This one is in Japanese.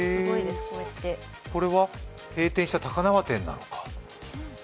これは閉店した高輪店なのか。